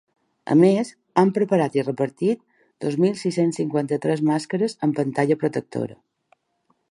A més, han preparat i repartit dos mil sis-cents cinquanta-tres màscares amb pantalla protectora.